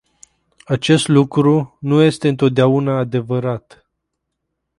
Acest lucru nu este întotdeauna adevărat.